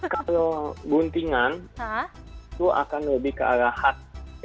kalau guntingan itu akan lebih ke arah hat